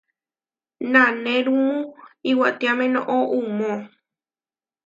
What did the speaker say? Nanérumu iwatiáme noʼó uʼmó.